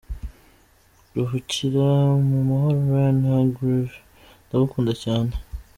Ruhukira mu mahoro Ryan Hargrave ndagukunda cyane.